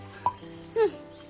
うん。